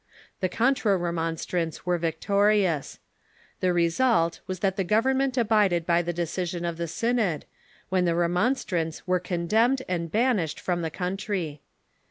The Contra Remonstrants were victorious. The result was that the government abided by the decision of the synod, when the Remonstrants were condemned and banished from the country.